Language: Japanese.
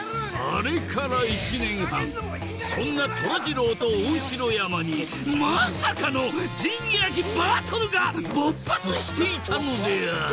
あれから１年半そんな虎二郎と大城山にまさかの仁義なきバトルが勃発していたのである！